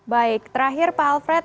baik terakhir pak alfred